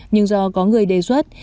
nhưng do có người đề xuất